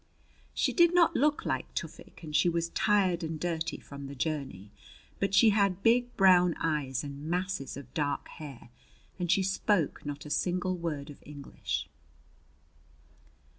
She did not look like Tufik and she was tired and dirty from the journey; but she had big brown eyes and masses of dark hair and she spoke not a single word of English.